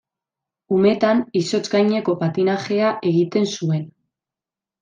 Umetan izotz gaineko patinajea egiten zuen.